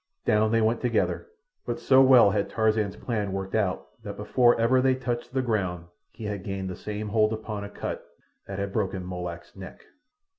Down they went together, but so well had Tarzan's plan worked out that before ever they touched the ground he had gained the same hold upon Akut that had broken Molak's neck.